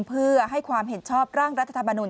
เพื่อให้ความเห็นชอบร่างรัฐธรรมนุน